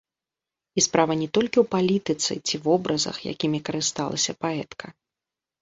І справа не толькі ў палітыцы ці вобразах, якімі карысталася паэтка.